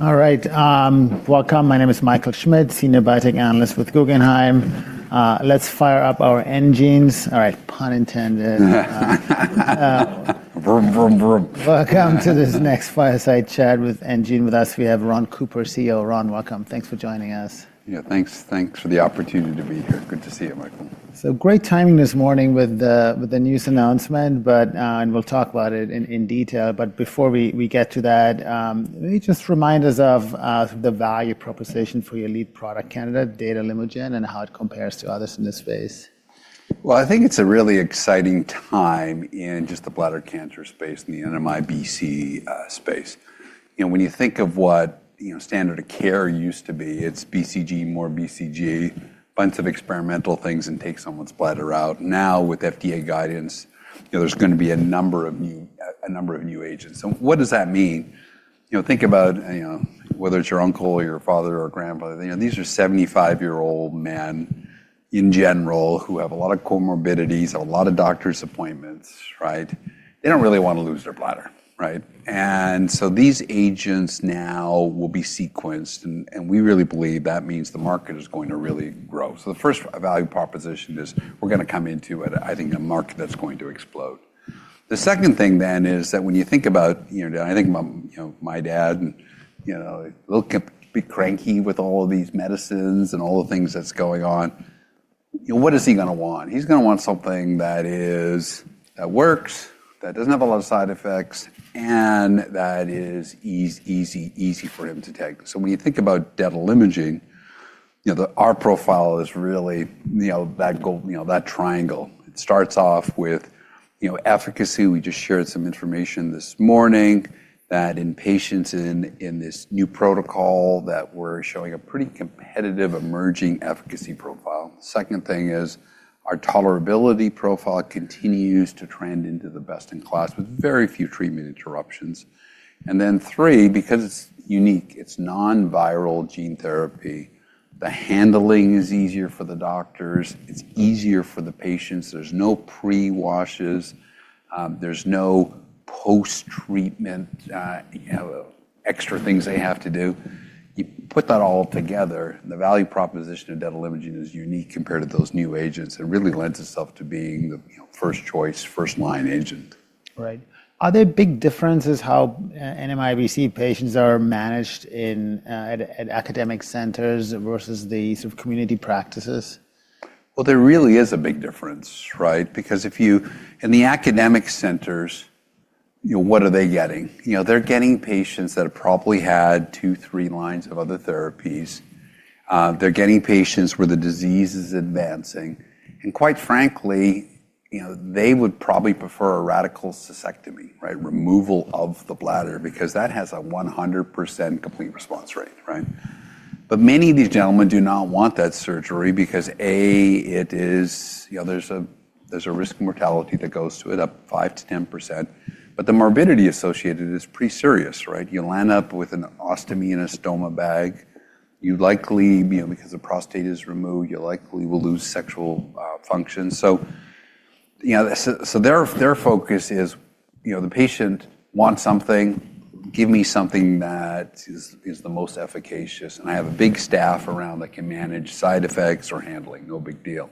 All right. Welcome. My name is Michael Schmidt, Senior Biotech Analyst with Guggenheim. Let's fire up our enGenes. All right, pun intended. Welcome to this next fireside chat with enGene. With us, we have Ron Cooper, CEO. Ron, welcome. Thanks for joining us. Yeah, thanks. Thanks for the opportunity to be here. Good to see you, Michael. Great timing this morning with the news announcement, and we'll talk about it in detail. Before we get to that, maybe just remind us of the value proposition for your lead product candidate, datolimogene hayemab, and how it compares to others in this space. I think it's a really exciting time in just the bladder cancer space, in the NMIBC space. When you think of what standard of care used to be, it's BCG, more BCG, a bunch of experimental things and take someone's bladder out. Now, with FDA guidance, there's going to be a number of new agents. What does that mean? Think about whether it's your uncle or your father or grandfather. These are 75-year-old men, in general, who have a lot of comorbidities, have a lot of doctor's appointments. They don't really want to lose their bladder. These agents now will be sequenced, and we really believe that means the market is going to really grow. The first value proposition is we're going to come into it, I think, a market that's going to explode. The second thing then is that when you think about, I think my dad, a little bit cranky with all of these medicines and all the things that's going on, what is he going to want? He's going to want something that works, that doesn't have a lot of side effects, and that is easy for him to take. When you think about datolimogene hayemab, our profile is really that triangle. It starts off with efficacy. We just shared some information this morning that in patients in this new protocol, that we're showing a pretty competitive emerging efficacy profile. Second thing is our tolerability profile continues to trend into the best in class with very few treatment interruptions. Then three, because it's unique, it's non-viral gene therapy. The handling is easier for the doctors. It's easier for the patients. There's no pre-washes. There's no post-treatment extra things they have to do. You put that all together, the value proposition of datolimogene hayemab is unique compared to those new agents. It really lends itself to being the first choice, first line agent. Right. Are there big differences how NMIBC patients are managed in academic centers versus the community practices? There really is a big difference, right? Because in the academic centers, what are they getting? They're getting patients that have probably had two, three lines of other therapies. They're getting patients where the disease is advancing. Quite frankly, they would probably prefer a radical cystectomy, removal of the bladder, because that has a 100% complete response rate. Many of these gentlemen do not want that surgery because, A, there's a risk of mortality that goes to it, up 5%-10%. The morbidity associated is pretty serious. You'll end up with an ostomy and a stoma bag. Because the prostate is removed, you likely will lose sexual function. Their focus is the patient wants something, give me something that is the most efficacious. I have a big staff around that can manage side effects or handling, no big deal.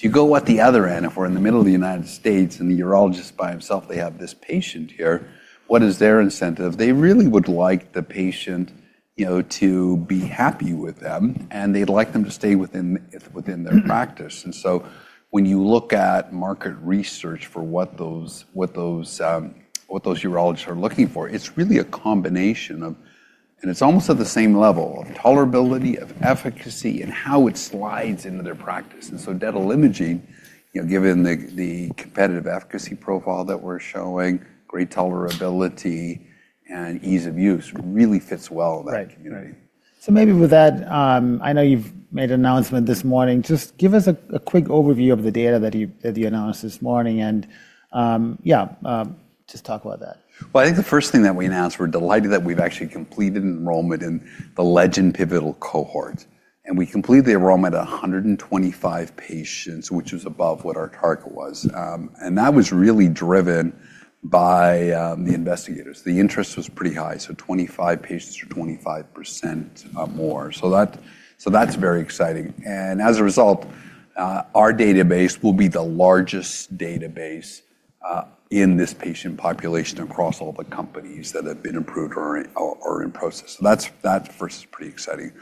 You go at the other end. If we're in the middle of the United States and the urologist by himself, they have this patient here, what is their incentive? They really would like the patient to be happy with them, and they'd like them to stay within their practice. When you look at market research for what those urologists are looking for, it's really a combination of, and it's almost at the same level of tolerability, of efficacy, and how it slides into their practice. Datolimogene hayemab, given the competitive efficacy profile that we're showing, great tolerability and ease of use, really fits well in that community. Maybe with that, I know you've made an announcement this morning. Just give us a quick overview of the data that you announced this morning and yeah, just talk about that. I think the first thing that we announced, we're delighted that we've actually completed enrollment in the Legend Pivotal cohort. We completed the enrollment at 125 patients, which was above what our target was. That was really driven by the investigators. The interest was pretty high. Twenty-five patients are 25% more. That's very exciting. As a result, our database will be the largest database in this patient population across all the companies that have been approved or in process. That first is pretty exciting.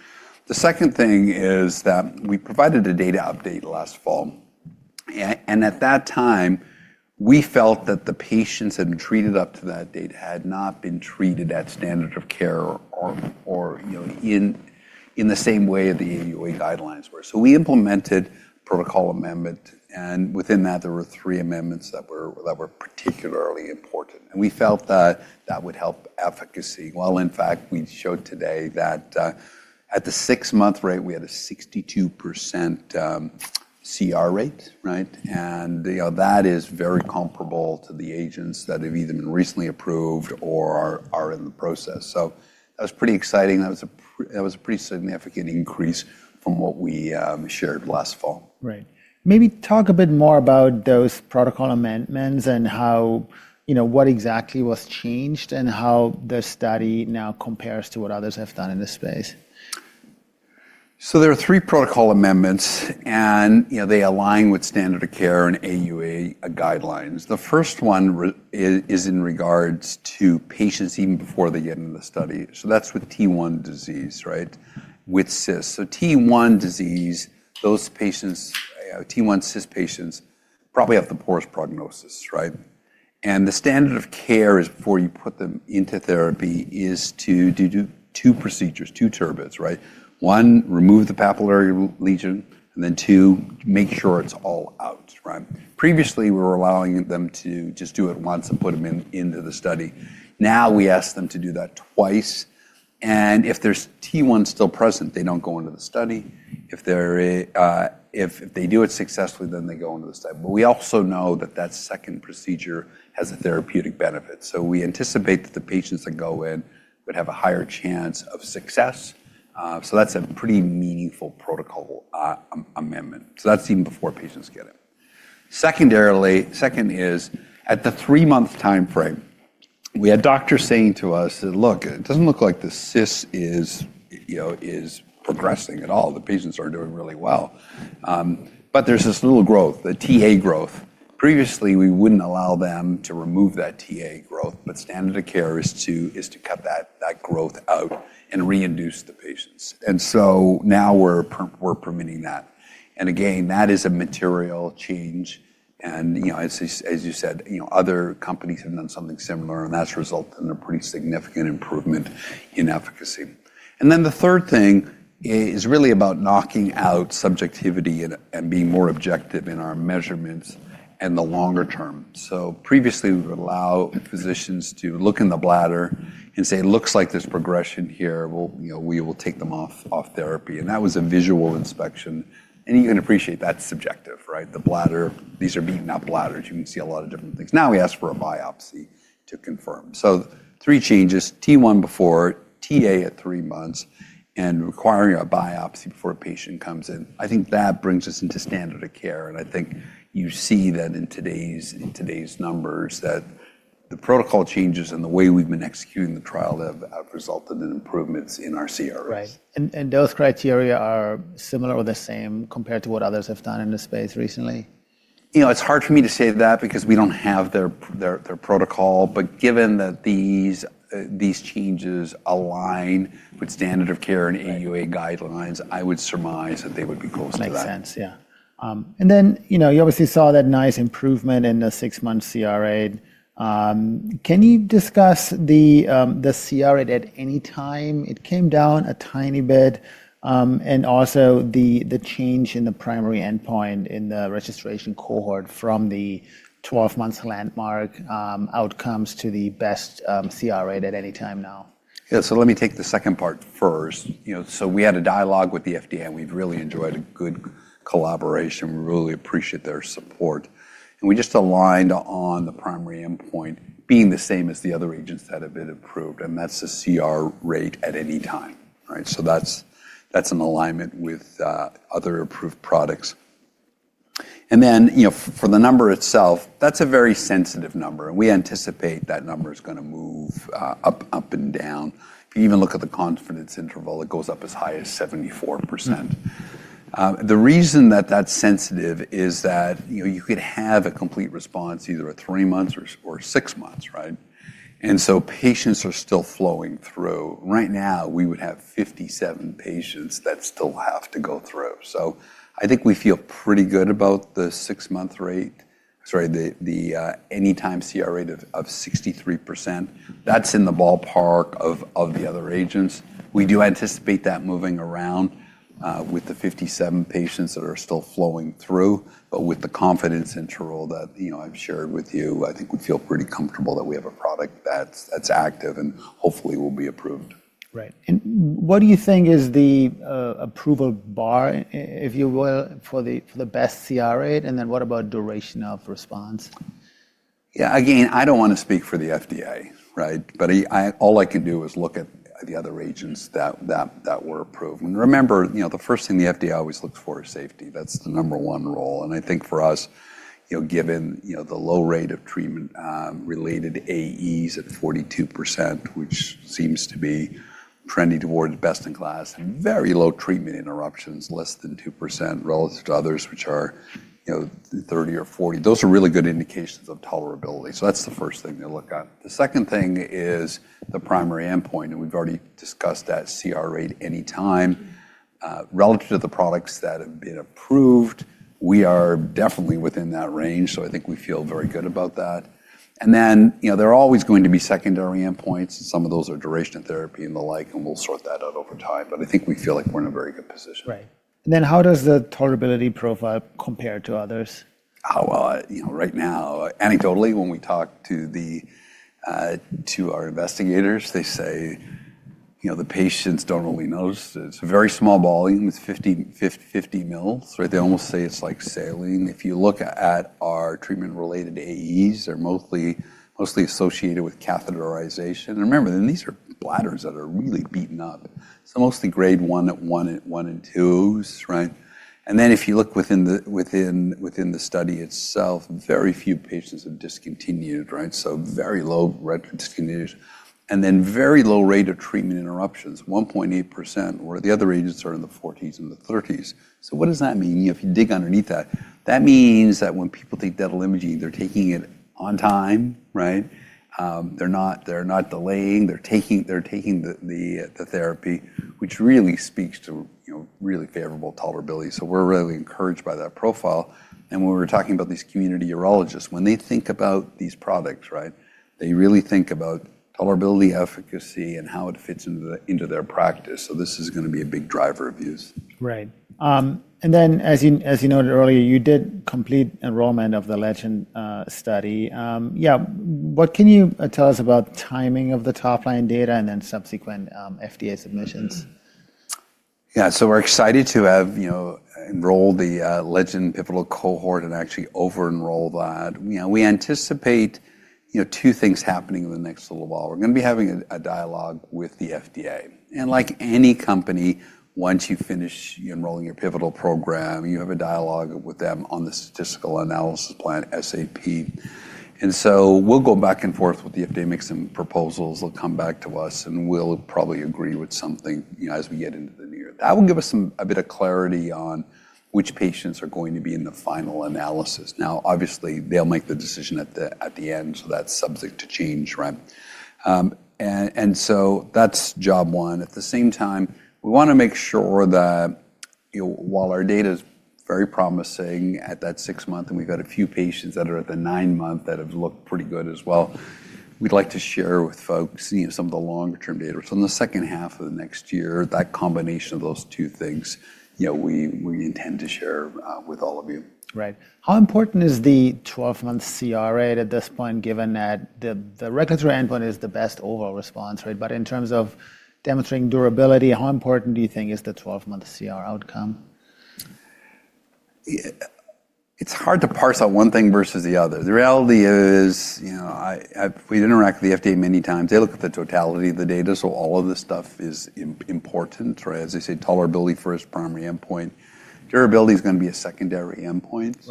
The second thing is that we provided a data update last fall. At that time, we felt that the patients that had been treated up to that date had not been treated at standard of care or in the same way the AUA guidelines were. We implemented protocol amendment. Within that, there were three amendments that were particularly important. We felt that that would help efficacy. In fact, we showed today that at the six-month rate, we had a 62% CR rate. That is very comparable to the agents that have either been recently approved or are in the process. That was pretty exciting. That was a pretty significant increase from what we shared last fall. Right. Maybe talk a bit more about those protocol amendments and what exactly was changed and how the study now compares to what others have done in this space. There are three protocol amendments, and they align with standard of care and AUA guidelines. The first one is in regards to patients even before they get into the study. That is with T1 disease, with cysts. T1 disease, those patients, T1 cyst patients probably have the poorest prognosis. The standard of care before you put them into therapy is to do two procedures, two TURBTs. One, remove the papillary lesion, and then two, make sure it is all out. Previously, we were allowing them to just do it once and put them into the study. Now we ask them to do that twice. If there is T1 still present, they do not go into the study. If they do it successfully, then they go into the study. We also know that that second procedure has a therapeutic benefit. We anticipate that the patients that go in would have a higher chance of success. That is a pretty meaningful protocol amendment. That is even before patients get it. Second is, at the three-month time frame, we had doctors saying to us, look, it does not look like the cyst is progressing at all. The patients are doing really well. There is this little growth, the Ta growth. Previously, we would not allow them to remove that Ta growth, but standard of care is to cut that growth out and re-induce the patients. Now we are permitting that. Again, that is a material change. As you said, other companies have done something similar, and that has resulted in a pretty significant improvement in efficacy. The third thing is really about knocking out subjectivity and being more objective in our measurements and the longer term. Previously, we would allow physicians to look in the bladder and say, it looks like there's progression here. We will take them off therapy. That was a visual inspection. You can appreciate that's subjective. The bladder, these are being not bladders. You can see a lot of different things. Now we ask for a biopsy to confirm. Three changes: T1 before, Ta at three months, and requiring a biopsy before a patient comes in. I think that brings us into standard of care. I think you see that in today's numbers, that the protocol changes and the way we've been executing the trial have resulted in improvements in our CRs. Right. Are those criteria similar or the same compared to what others have done in the space recently? It's hard for me to say that because we don't have their protocol. Given that these changes align with standard of care and AUA guidelines, I would surmise that they would be close to that. That makes sense. Yeah. You obviously saw that nice improvement in the six-month CRA. Can you discuss the CRA at any time? It came down a tiny bit. Also, the change in the primary endpoint in the registration cohort from the 12-month landmark outcomes to the best CRA at any time now? Yeah. Let me take the second part first. We had a dialogue with the FDA. We've really enjoyed a good collaboration. We really appreciate their support. We just aligned on the primary endpoint being the same as the other agents that have been approved. That's the CR rate at any time. That's in alignment with other approved products. For the number itself, that's a very sensitive number. We anticipate that number is going to move up and down. If you even look at the confidence interval, it goes up as high as 74%. The reason that that's sensitive is that you could have a complete response either at three months or six months. Patients are still flowing through. Right now, we would have 57 patients that still have to go through. I think we feel pretty good about the six-month rate, the anytime CR rate of 63%. That's in the ballpark of the other agents. We do anticipate that moving around with the 57 patients that are still flowing through, but with the confidence interval that I've shared with you, I think we feel pretty comfortable that we have a product that's active and hopefully will be approved. Right. What do you think is the approval bar, if you will, for the best CR rate? What about duration of response? Yeah. Again, I don't want to speak for the FDA, but all I can do is look at the other agents that were approved. Remember, the first thing the FDA always looks for is safety. That's the number one role. I think for us, given the low rate of treatment-related AEs at 42%, which seems to be trending towards best in class, very low treatment interruptions, less than 2% relative to others, which are 30% or 40%, those are really good indications of tolerability. That's the first thing they look at. The second thing is the primary endpoint. We've already discussed that CR rate any time. Relative to the products that have been approved, we are definitely within that range. I think we feel very good about that. There are always going to be secondary endpoints. Some of those are duration therapy and the like, and we'll sort that out over time. I think we feel like we're in a very good position. Right. How does the tolerability profile compare to others? Right now, anecdotally, when we talk to our investigators, they say the patients don't really notice. It's a very small volume. It's 50 m. They almost say it's like saline. If you look at our treatment-related AEs, they're mostly associated with catheterization. Remember, these are bladders that are really beaten up. Mostly grade one and twos. If you look within the study itself, very few patients have discontinued. Very low rate of discontinuation. Very low rate of treatment interruptions, 1.8%, where the other agents are in the 40s and the 30s. What does that mean? If you dig underneath that, that means that when people take datolimogene hayemab, they're taking it on time. They're not delaying. They're taking the therapy, which really speaks to really favorable tolerability. We're really encouraged by that profile. When we were talking about these community urologists, when they think about these products, they really think about tolerability, efficacy, and how it fits into their practice. This is going to be a big driver of use. Right. As you noted earlier, you did complete enrollment of the Legend study. Yeah. What can you tell us about timing of the top line data and then subsequent FDA submissions? Yeah. We're excited to have enrolled the Legend Pivotal cohort and actually over-enroll that. We anticipate two things happening in the next little while. We're going to be having a dialogue with the FDA. Like any company, once you finish enrolling your pivotal program, you have a dialogue with them on the statistical analysis plan, SAP. We'll go back and forth with the FDA and make some proposals. They'll come back to us, and we'll probably agree with something as we get into the new year. That will give us a bit of clarity on which patients are going to be in the final analysis. Obviously, they'll make the decision at the end, so that's subject to change. That's job one. At the same time, we want to make sure that while our data is very promising at that six-month, and we've got a few patients that are at the nine-month that have looked pretty good as well, we'd like to share with folks some of the longer-term data. In the second half of the next year, that combination of those two things, we intend to share with all of you. Right. How important is the 12-month CR rate at this point, given that the regulatory endpoint is the best overall response, right? In terms of demonstrating durability, how important do you think is the 12-month CR outcome? It's hard to parse out one thing versus the other. The reality is, we interact with the FDA many times. They look at the totality of the data, so all of this stuff is important. As I say, tolerability first, primary endpoint. Durability is going to be a secondary endpoint.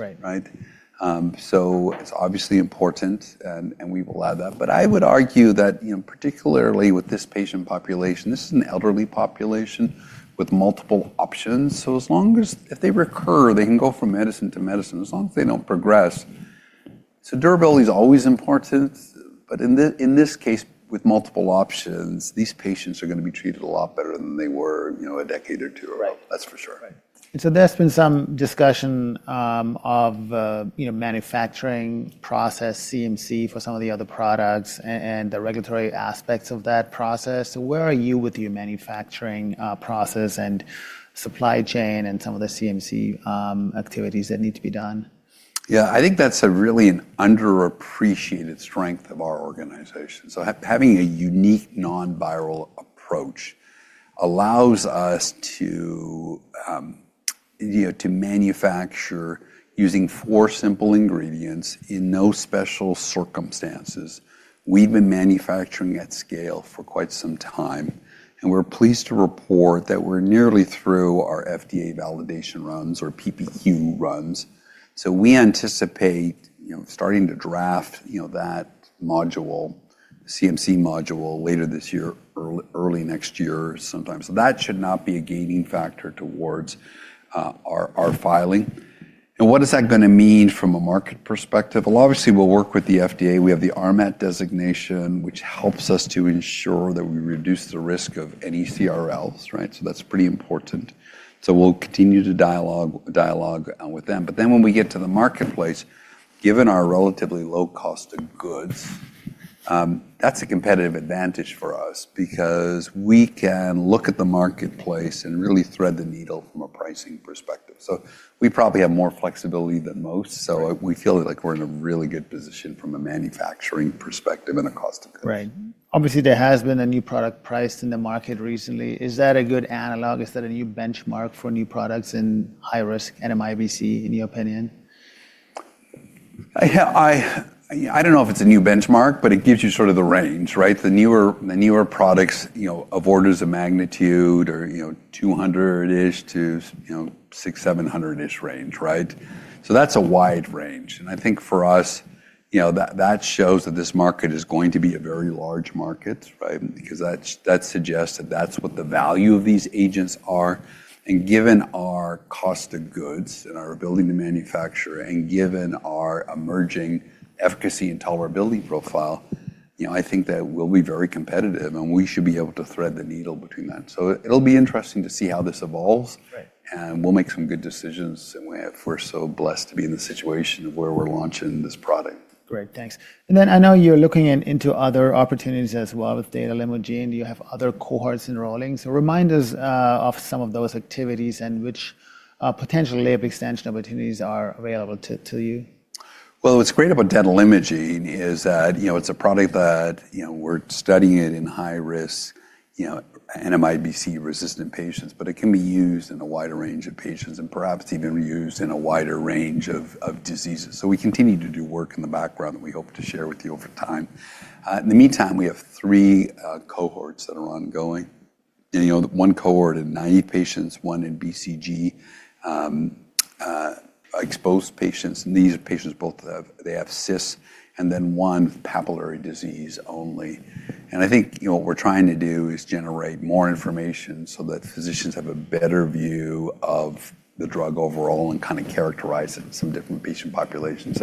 It's obviously important, and we will add that. I would argue that particularly with this patient population, this is an elderly population with multiple options. As long as if they recur, they can go from medicine to medicine. As long as they don't progress, durability is always important. In this case, with multiple options, these patients are going to be treated a lot better than they were a decade or two. That's for sure. There's been some discussion of manufacturing process, CMC for some of the other products, and the regulatory aspects of that process. Where are you with your manufacturing process and supply chain and some of the CMC activities that need to be done? Yeah. I think that's really an underappreciated strength of our organization. So having a unique non-viral approach allows us to manufacture using four simple ingredients in no special circumstances. We've been manufacturing at scale for quite some time. We're pleased to report that we're nearly through our FDA validation runs or PPQ runs. We anticipate starting to draft that module, CMC module, later this year, early next year sometime. That should not be a gating factor towards our filing. What is that going to mean from a market perspective? Obviously, we'll work with the FDA. We have the RMAT designation, which helps us to ensure that we reduce the risk of any CRLs. That's pretty important. We'll continue to dialogue with them. When we get to the marketplace, given our relatively low cost of goods, that's a competitive advantage for us because we can look at the marketplace and really thread the needle from a pricing perspective. We probably have more flexibility than most. We feel like we're in a really good position from a manufacturing perspective and a cost of goods. Right. Obviously, there has been a new product priced in the market recently. Is that a good analog? Is that a new benchmark for new products in high-risk NMIBC, in your opinion? Yeah. I don't know if it's a new benchmark, but it gives you sort of the range, right? The newer products of orders of magnitude or 200-ish to 600-700-ish range, right? That's a wide range. I think for us, that shows that this market is going to be a very large market because that suggests that that's what the value of these agents are. Given our cost of goods and our ability to manufacture and given our emerging efficacy and tolerability profile, I think that we'll be very competitive, and we should be able to thread the needle between that. It'll be interesting to see how this evolves. We'll make some good decisions if we're so blessed to be in the situation of where we're launching this product. Great. Thanks. I know you're looking into other opportunities as well with datolimogene hayemab. You have other cohorts enrolling. Remind us of some of those activities and which potential extension opportunities are available to you. What's great about datolimogene hayemab is that it's a product that we're studying in high-risk NMIBC-resistant patients, but it can be used in a wider range of patients and perhaps even used in a wider range of diseases. We continue to do work in the background that we hope to share with you over time. In the meantime, we have three cohorts that are ongoing. One cohort in naive patients, one in BCG-exposed patients. These patients, both, they have cysts and then one papillary disease only. I think what we're trying to do is generate more information so that physicians have a better view of the drug overall and kind of characterize it in some different patient populations.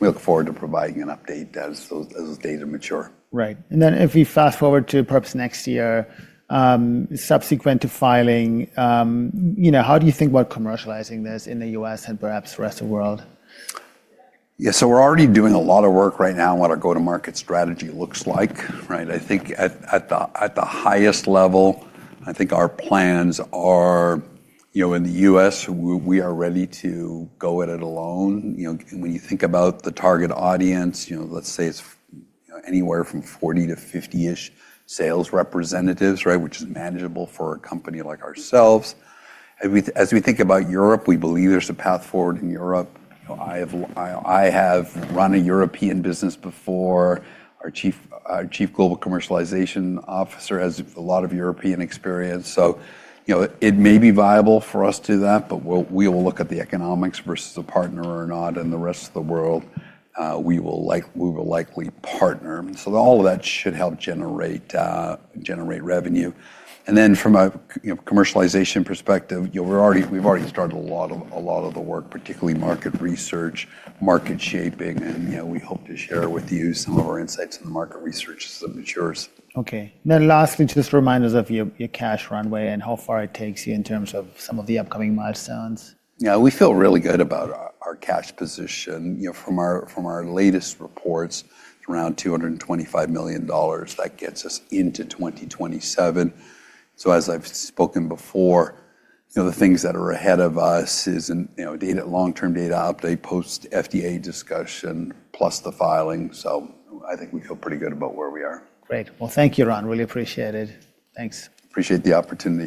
We look forward to providing an update as those data mature. Right. If we fast forward to perhaps next year, subsequent to filing, how do you think about commercializing this in the U.S. and perhaps the rest of the world? Yeah. So we're already doing a lot of work right now on what our go-to-market strategy looks like. I think at the highest level, I think our plans are in the U.S., we are ready to go at it alone. When you think about the target audience, let's say it's anywhere from 40-50-ish sales representatives, which is manageable for a company like ourselves. As we think about Europe, we believe there's a path forward in Europe. I have run a European business before. Our Chief Global Commercialization Officer has a lot of European experience. It may be viable for us to do that, but we will look at the economics versus a partner or not. The rest of the world, we will likely partner. All of that should help generate revenue. From a commercialization perspective, we've already started a lot of the work, particularly market research, market shaping. We hope to share with you some of our insights in the market research as it matures. Okay. Then lastly, just remind us of your cash runway and how far it takes you in terms of some of the upcoming milestones. Yeah. We feel really good about our cash position. From our latest reports, around $225 million, that gets us into 2027. As I've spoken before, the things that are ahead of us is long-term data update post-FDA discussion plus the filing. I think we feel pretty good about where we are. Great. Thank you, Ron. Really appreciate it. Thanks. Appreciate the opportunity.